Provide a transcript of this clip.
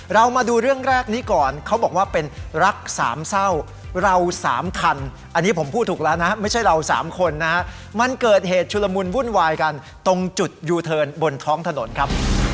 เรามาดูเรื่องแรกนี้ก่อนเขาบอกว่าเป็นรักสามเศร้าเราสามคันอันนี้ผมพูดถูกแล้วนะไม่ใช่เราสามคนนะฮะมันเกิดเหตุชุลมุนวุ่นวายกันตรงจุดยูเทิร์นบนท้องถนนครับ